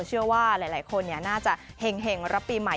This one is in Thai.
เชื่อว่าหลายคนน่าจะเห็งรับปีใหม่